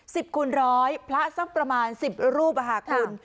สิบคูณร้อยพระสักประมาณสิบรูปอาหกุล